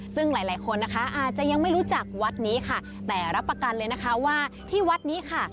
ซึ่งหลายหลายคนนะคะอาจจะยังไม่รู้จักวัดนี้ค่ะแต่รับประกันเลยนะคะว่าที่วัดนี้ค่ะ